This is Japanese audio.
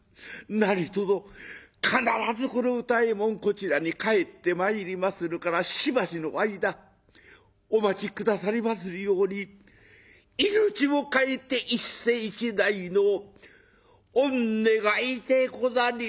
何とぞ必ずこの歌右衛門こちらに帰ってまいりまするからしばしの間お待ち下さりまするように命を代えて一世一代の御願いでござりまする」。